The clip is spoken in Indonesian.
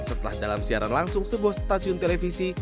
setelah dalam siaran langsung sebuah stasiun televisi